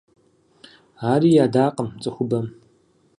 Ари ядакъым цӀыхубэм…